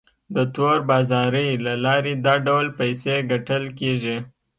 د تور بازارۍ له لارې دا ډول پیسې ګټل کیږي.